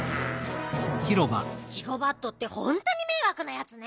ジゴバットってほんとにめいわくなやつね。